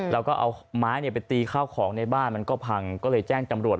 แล้วก็เอาไม้ไปตีข้าวของในบ้านมันก็พังก็เลยแจ้งตำรวจ